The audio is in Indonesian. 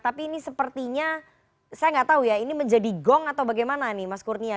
tapi ini sepertinya saya nggak tahu ya ini menjadi gong atau bagaimana nih mas kurnia